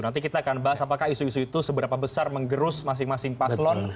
nanti kita akan bahas apakah isu isu itu seberapa besar menggerus masing masing paslon